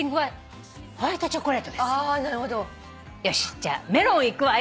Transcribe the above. じゃあメロンいくわよ！